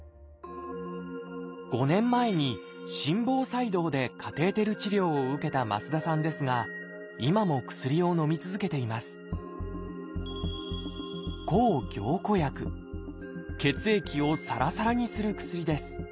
５年前に心房細動でカテーテル治療を受けた増田さんですが今も薬をのみ続けています血液をサラサラにする薬です。